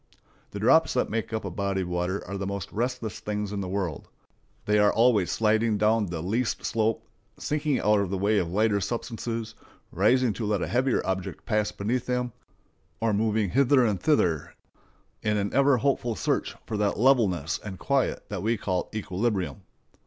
The drops that make up a body of water are the most restless things in the world; they are always sliding down the least slope, sinking out of the way of lighter substances, rising to let a heavier object pass beneath them, or moving hither and thither in an ever hopeful search of that levelness and quiet that we call equilibrium.